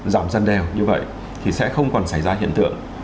giảm gian đeo như vậy thì sẽ không còn xảy ra hiện tượng